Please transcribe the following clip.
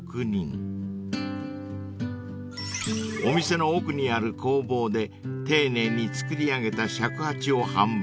［お店の奥にある工房で丁寧に作り上げた尺八を販売］